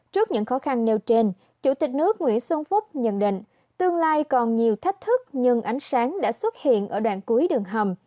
trước những khó khăn nêu trên chủ tịch nước nguyễn xuân phúc nhận định tương lai còn nhiều thách thức nhưng ánh sáng đã xuất hiện ở đoạn cuối đường hầm